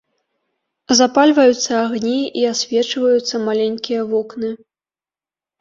Запальваюцца агні, і асвечваюцца маленькія вокны.